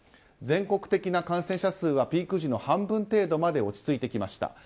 全国的な感染者数はピーク時の半分程度まで落ち着いてきました。